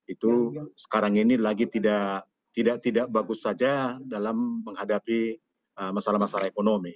itu sekarang ini lagi tidak bagus saja dalam menghadapi masalah masalah ekonomi